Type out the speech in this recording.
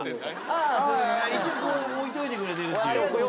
あっ一応置いといてくれてるっていう。